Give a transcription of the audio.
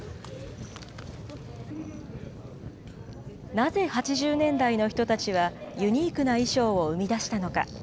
なぜ８０年代の人たちは、ユニークな衣装を生み出したのか。